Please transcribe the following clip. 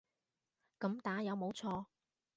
噉打有冇錯